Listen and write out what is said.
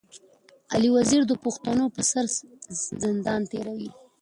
علي وزير د پښتنو پر سر زندان تېروي.